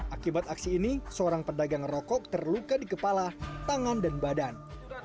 akibat aksi ini seorang pedagang rokok terluka di kepala tangan dan badan